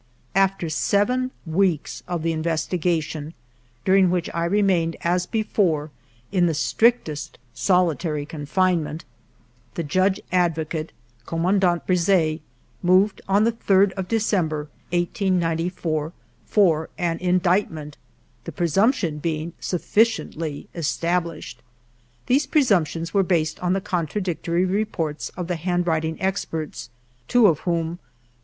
After seven weeks of the investigation, during which I remained, as before, in the strictest soli ALFRED DREYFUS 17 tary confinement, the Judge Advocate, Com mandant Brisset, moved, on the 3d of December, 1894, for an indictment, "the presumption being sufficiently established." These presumptions were based on the contradictory reports of the handwriting experts, two of whom — M.